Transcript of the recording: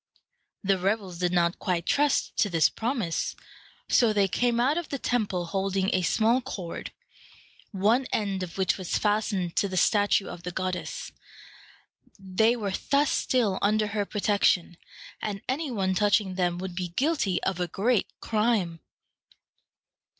The rebels did not quite trust to this promise, so they came out of the temple holding a small cord, one end of which was fastened to the statue of the goddess. They were thus still under her protection, and any one touching them would be guilty of a great crime.